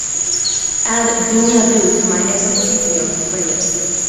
add Dunja, du to my ejercicio playlist